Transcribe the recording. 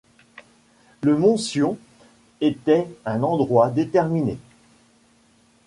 Le mont Sion était un endroit déterminé.